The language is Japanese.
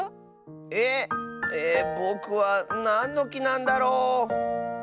えっ？えぼくはなんのきなんだろう。